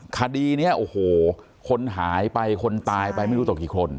คดีนี้โอ้โหคนหายไปคนตายไปไม่รู้ต่อกี่คน